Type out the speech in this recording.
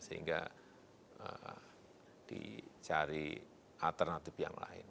sehingga dicari alternatif yang lain